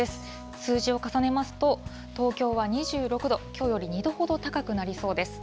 数字を重ねますと、東京は２６度、きょうより２度ほど高くなりそうです。